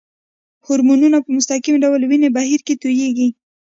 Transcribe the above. هورمونونه په مستقیم ډول وینې بهیر کې تویېږي.